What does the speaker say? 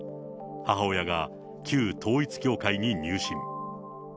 母親が旧統一教会に入信。